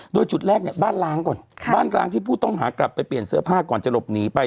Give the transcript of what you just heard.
โดยจุดแรกเนี่ยบ้านล้างก่อนบ้านล้างที่ผู้ต้องหากลับไปเปลี่ยนเสื้อผ้าก่อนจะหลบหนีไป